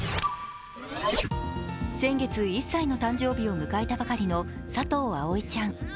先月、１歳の誕生日を迎えたばかりの佐藤葵ちゃん。